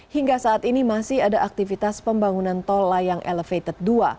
hingga saat ini masih ada aktivitas pembangunan tol layang elevated dua